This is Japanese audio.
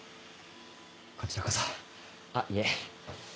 こちらこそあっいえ。